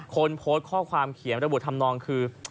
โพสต์ข้อความเขียนระบุทำนองคือ